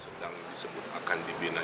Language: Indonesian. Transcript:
sedang disebut akan dibina